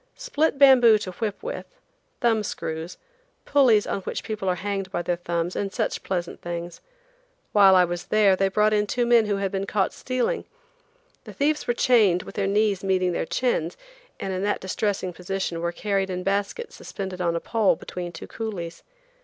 Split bamboo to whip with, thumb screws, pulleys on which people are hanged by their thumbs, and such pleasant things. While I was there they brought in two men who had been caught stealing. The thieves were chained with their knees meeting their chins, and in that distressing position were carried in baskets suspended on a pole between two coolies.